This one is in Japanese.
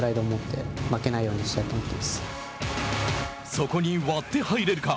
そこに割って入れるか。